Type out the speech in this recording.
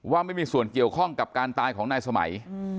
ไม่มีส่วนเกี่ยวข้องกับการตายของนายสมัย